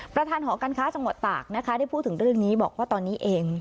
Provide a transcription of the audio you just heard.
หอการค้าจังหวัดตากนะคะได้พูดถึงเรื่องนี้บอกว่าตอนนี้เอง